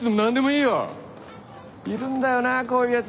いるんだよなぁこういうやつ。